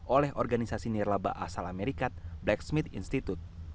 oleh organisasi nirlaba asal amerika blacksmith institute